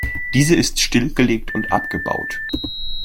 Diese ist stillgelegt und abgebaut.